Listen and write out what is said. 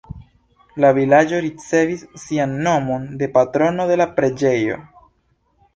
La vilaĝo ricevis sian nomon de patrono de la preĝejo.